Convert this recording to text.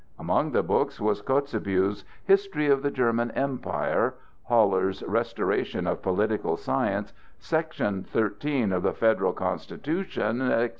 Among the books was Kotzebue's "History of the German Empire," Haller's "Restoration of Political Science," Section 13 of the Federal Constitution, etc.